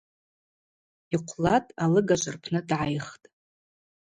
Йхъвлатӏ, алыгажв рпны дгӏайхтӏ.